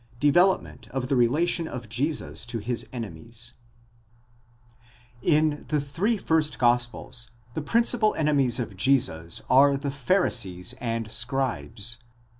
DEVELOPMENT OF THE RELATION OF JESUS TO HIS ENEMIES, In the three first gospels the principal enemies of Jesus are the Pharisees and scribes